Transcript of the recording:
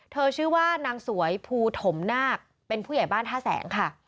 ชื่อว่านางสวยภูถมนาคเป็นผู้ใหญ่บ้านท่าแสงค่ะ